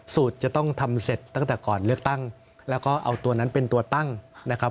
จะต้องทำเสร็จตั้งแต่ก่อนเลือกตั้งแล้วก็เอาตัวนั้นเป็นตัวตั้งนะครับ